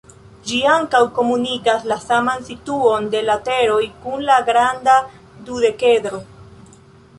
Ĝi ankaŭ komunigas la saman situon de lateroj kun la granda dudekedro.